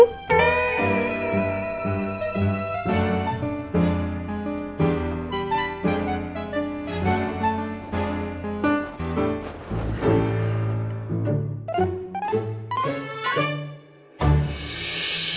aku mau doa